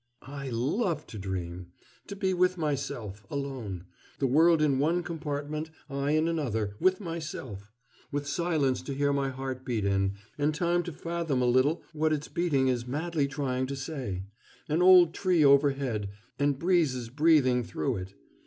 "I love to dream! to be with myself alone: the world in one compartment, I in another, with myself; with silence to hear my heart beat in, and time to fathom a little what its beating is madly trying to say; an old tree overhead, and breezes breathing through it.